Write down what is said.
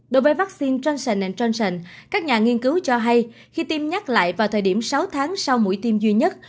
đối với vaccine trên sàn các nhà nghiên cứu cho hay khi tiêm nhắc lại vào thời điểm sáu tháng sau mũi tiêm duy nhất